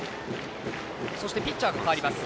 そして、ピッチャーが代わります。